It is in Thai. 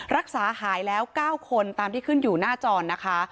รักษาหายแล้ว๙คนตามที่ขึ้นอยู่หน้าจอนะคะ